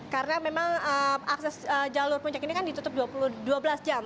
karena memang akses jalur puncak ini kan ditutup dua belas jam